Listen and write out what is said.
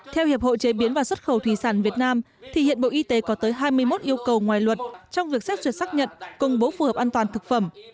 theo hiệp hội chế biến và xuất khẩu thủy sản việt nam thì hiện bộ y tế có tới hai mươi một yêu cầu ngoài luật trong việc xét duyệt xác nhận công bố phù hợp an toàn thực phẩm